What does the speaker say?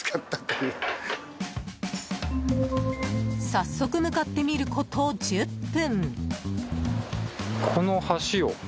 早速向かってみること１０分。